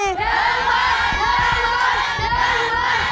หนึ่งหมาย